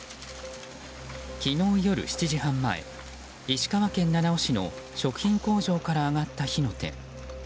昨日夜７時半前石川県七尾市の食品工場から上がった火の手。